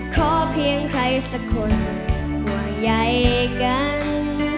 ขอเพียงใครสักคนห่วงใยกัน